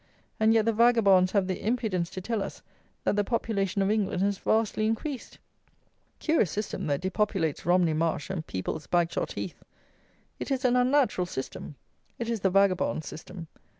And yet the vagabonds have the impudence to tell us that the population of England has vastly increased! Curious system that depopulates Romney Marsh and peoples Bagshot Heath! It is an unnatural system. It is the vagabond's system.